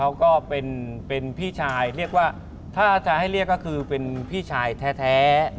ก็เป็นพี่ชายเรียกว่าถ้าจะให้เรียกก็คือเป็นพี่ชายแท้